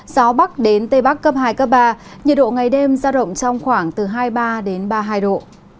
gió bắc đến tây bắc cấp hai ba nhiệt độ ngày đêm giao động trong khoảng hai mươi ba ba mươi hai độ